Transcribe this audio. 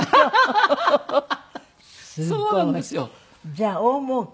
じゃあ大もうけ？